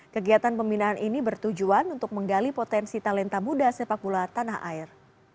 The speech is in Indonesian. kegiatan pembinaan ini bertujuan untuk menggali potensi talenta muda sepak bola tanah air